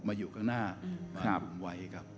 มาอยู่ข้างหน้าครับ